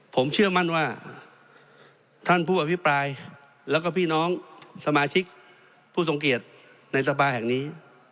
ผมเชื่อมั่นว่าท่านผู้อภิปรายแล้วก็พี่น้องสมาชิกผู้ทรงเกียจในสภาแห่งนี้